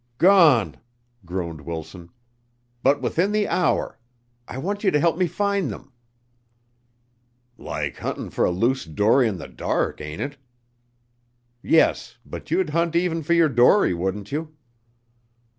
"Gone," groaned Wilson. "But within the hour. I want you to help me find them." "Like huntin' fer a loose dory in th' dark, ain't it?" "Yes, but you'd hunt even for your dory, wouldn't you?"